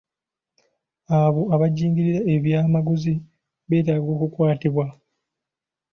Abo abajingirira ebyamaguzi beetaaga okukwatibwa.